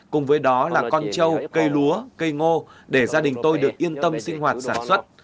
cùng với đó là con trâu cây lúa cây ngô để gia đình tôi được yên tâm sinh hoạt sản xuất